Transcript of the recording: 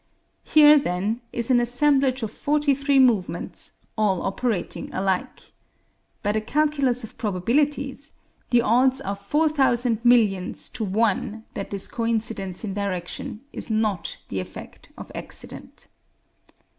Here, then, is an assemblage of forty three movements, all operating alike. By the calculus of probabilities, the odds are four thousand millions to one that this coincidence in direction is not the effect of accident.